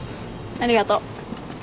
ありがとう。